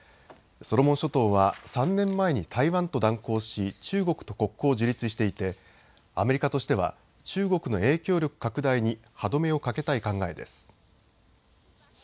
ソロモン諸島は３年前に台湾と断交し中国と国交を樹立していてアメリカとしては中国の影響力拡大に歯止めをかけたい考えです。